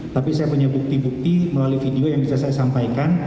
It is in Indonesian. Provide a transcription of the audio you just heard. tapi saya punya bukti bukti melalui video yang bisa saya sampaikan